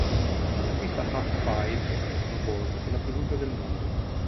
La pista "half-pipe" per "snowboard" è la più lunga del mondo.